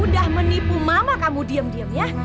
udah menipu mama kamu diem diem ya